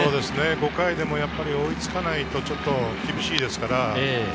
５回でも追いつかないと厳しいですから。